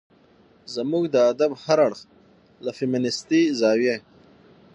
زموږ د ادب هر اړخ له فيمنستي زاويې